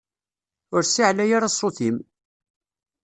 Ur ssiεlay ara ssut-im!